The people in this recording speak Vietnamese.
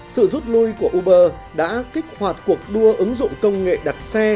sự rút lui của uber đã kích hoạt cuộc đua ứng dụng công nghệ đặt xe